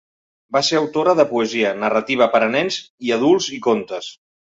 Va ser autora de poesia, narrativa per a nens i adults i contes.